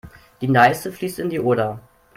Die Neiße fließt in die Oder.